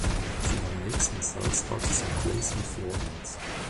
She now makes and sells artisan place and floor mats.